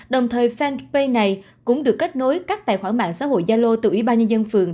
đồng thời fanpage này cũng được kết nối các tài khoản mạng xã hội gia lô từ ủy ban nhân dân phường